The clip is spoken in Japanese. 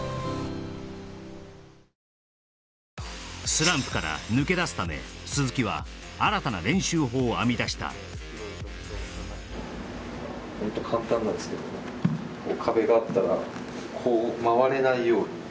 スランプから抜け出すため鈴木は新たな練習法を編み出したホントそうですねまあ